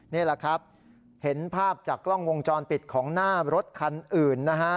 นี่แหละครับเห็นภาพจากกล้องวงจรปิดของหน้ารถคันอื่นนะฮะ